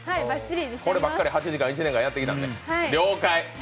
こればっかり８時間、１年間やってきたもんね了解。